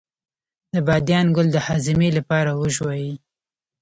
د بادیان ګل د هاضمې لپاره وژويئ